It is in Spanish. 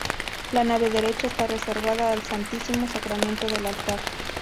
La nave derecha está reservada al Santísimo Sacramento del altar.